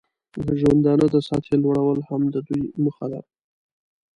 د ژوندانه د سطحې لوړول هم د دوی موخه ده.